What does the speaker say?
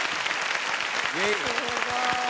すごい。